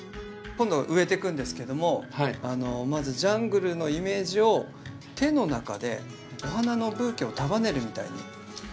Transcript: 今度植えていくんですけどもまずジャングルのイメージを手の中でお花のブーケを束ねるみたいに。